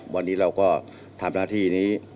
วันนี้เราก็ทำหน้าที่นี้